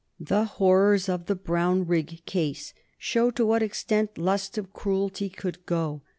The horrors of the Brownrigg case show to what extent lust of cruelty could go.